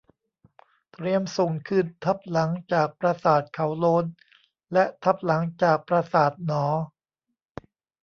เตรียมส่งคืนทับหลังจากปราสาทเขาโล้นและทับหลังจากปราสาทหนอ